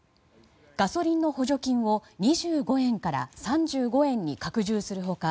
ガソリンの補助金を２５円から３５円に拡充する他